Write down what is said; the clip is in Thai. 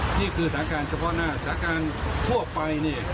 นี่คือสถานการณ์เฉพาะหน้าสถานการณ์ทั่วไป